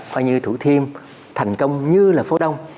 coi như thủ thiêm thành công như là phố đông